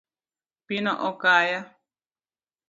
Pino okaya.